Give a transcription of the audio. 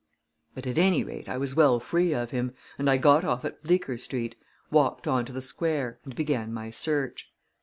But, at any rate, I was well free of him, and I got off at Bleecker Street, walked on to the Square, and began my search.